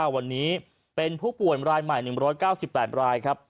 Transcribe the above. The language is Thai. วันนี้เป็นผู้ป่วยรายใหม่๑๙๘รายครับ